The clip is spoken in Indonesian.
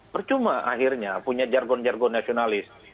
percuma akhirnya punya jargon jargon nasionalis